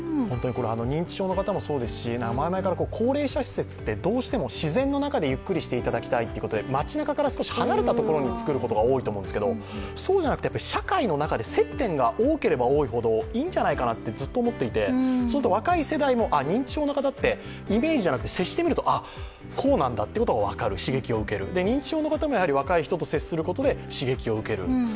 認知症の方もそうですし前々から高齢者施設って、どうしても自然の中で、ゆっくりしていただきたいということで町なかから少し離れたところに作ることが多いですけどそうじゃなくて、社会の中で接点が多ければ多いほどいいんじゃないかなってずっと思っていて、そうすると若い世代もああ、認知症の方ってイメージじゃなくて接してみると刺激を受ける、認知症の方も若い人と接することで刺激を受ける。